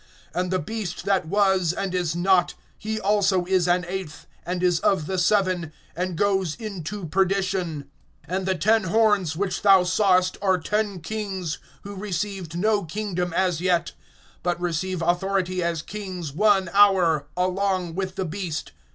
(11)And the beast that was, and is not, he also is an eighth, and is of the seven, and goes into perdition. (12)And the ten horns which thou sawest are ten kings, who received no kingdom as yet; but receive authority as kings one hour, along with the beast.